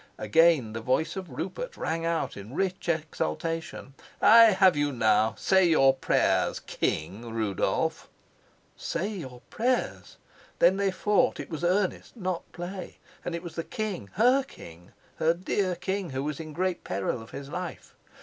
Again the voice of Rupert rang out in rich exultation, "I have you now! Say your prayers, King Rudolf!" "Say your prayers!" Then they fought. It was earnest, not play. And it was the king her king her dear king, who was in great peril of his life.